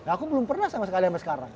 aku belum pernah sama sekali sampai sekarang